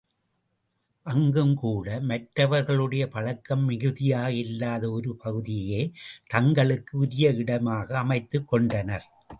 அங்கும் கூட மற்றவர்களுடைய பழக்கம் மிகுதியாக இல்லாத ஒரு பகுதியையே தங்களுக்கு உரிய இடமாக அமைத்துக் கொண்டனர்.